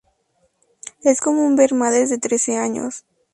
Es común ver madres de trece años.